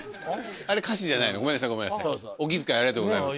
あれ歌詞じゃないのごめんなさいごめんなさい。